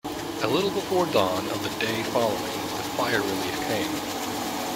A little before dawn of the day following, the fire relief came.